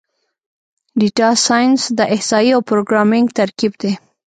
ډیټا سایننس د احصایې او پروګرامینګ ترکیب دی.